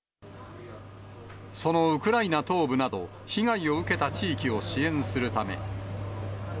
そのウクライナ東部など、被害を受けた地域を支援するため。